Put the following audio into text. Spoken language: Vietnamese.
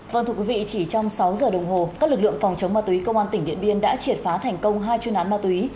vâng thưa quý vị chỉ trong sáu giờ đồng hồ các lực lượng phòng chống ma túy công an tỉnh điện biên đã triệt phá thành công hai chuyên án ma túy